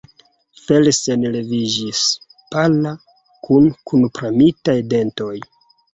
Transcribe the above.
Felsen leviĝis, pala, kun kunpremitaj dentoj.